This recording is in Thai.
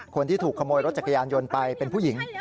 คนที่ถูกขโมยรถจักรยานยนต์ไปเป็นผู้หญิง